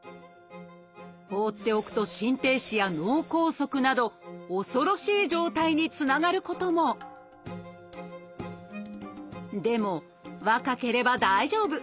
放っておくと心停止や脳梗塞など恐ろしい状態につながることもでも若ければ大丈夫！